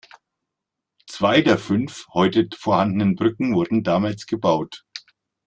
Zwei der fünf heute vorhandenen Brücken wurden damals gebaut.